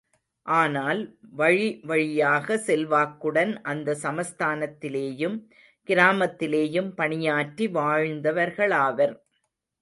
ஆனால் வழிவழியாக செல்வாக்குடன் அந்த சமஸ்தானத்திலேயும் கிராமத்திலேயும் பணியாற்றி வாழ்ந்தவர்களாவர்.